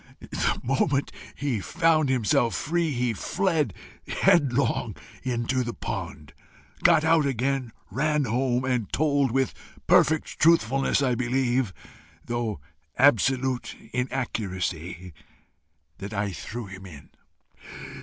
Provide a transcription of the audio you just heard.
The moment he found himself free, he fled headlong into the pond, got out again, ran home, and told, with perfect truthfulness I believe, though absolute inaccuracy, that I threw him in.